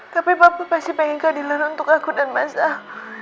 tapi papa pasti pengen keadilan untuk aku dan mas al